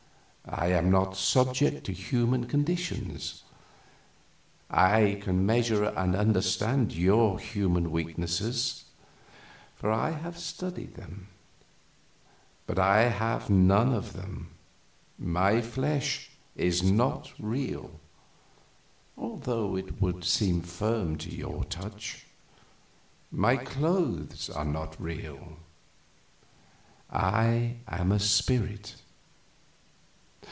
I am not subject to human conditions. I can measure and understand your human weaknesses, for I have studied them; but I have none of them. My flesh is not real, although it would seem firm to your touch; my clothes are not real; I am a spirit.